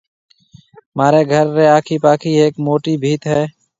مهاريَ گهر ريَ آکِي پاکِي هيَڪ موٽِي ڀِيت هيَ۔